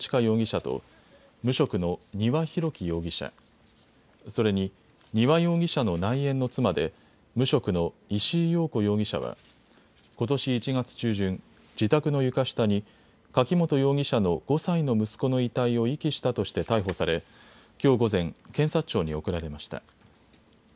容疑者と無職の丹羽洋樹容疑者、それに丹羽容疑者の内縁の妻で無職の石井陽子容疑者はことし１月中旬、自宅の床下に柿本容疑者の５歳の息子の遺体を遺棄したとして逮捕されきょう午前、検察庁に送られました。